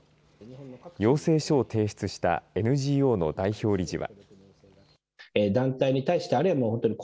要請書を提出したＮＧＯの代表理事は。